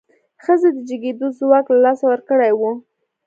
ښځې د جګېدو ځواک له لاسه ورکړی و.